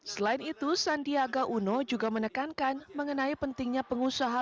selain itu sandiaga uno juga menekankan mengenai pentingnya pengusaha